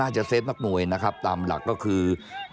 จะเซฟนักมวยนะครับตามหลักก็คือ